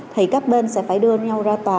thì các bên sẽ phải đưa nhau ra tòa